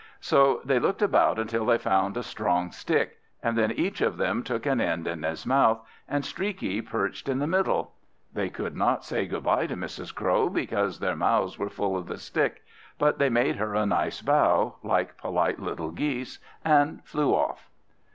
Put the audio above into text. So they looked about until they found a strong stick, and then each of them took an end in his mouth, and Streaky perched in the middle. They could not say good bye to Mrs. Crow, because their mouths were full of the stick, but they made her a nice bow, like polite little Geese, and flew off.